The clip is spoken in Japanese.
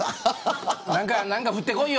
何か降ってこいよ。